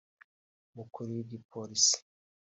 umukuru w'igipolisi